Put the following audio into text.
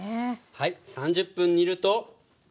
はい３０分煮ると。